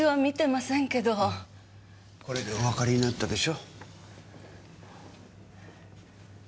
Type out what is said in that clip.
これでおわかりになったでしょ。